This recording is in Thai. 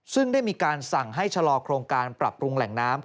ซึ่งได้มีการสั่งให้ชะลอโครงการปรับปรุงแหล่งน้ำ